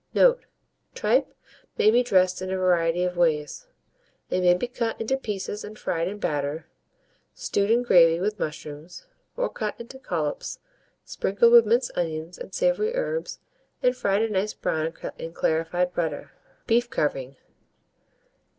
Tripe may be dressed in a variety of ways: it may be cut in pieces and fried in batter, stewed in gravy with mushrooms, or cut into collops, sprinkled with minced onion and savoury herbs, and fried a nice brown in clarified butter. BEEF CARVING.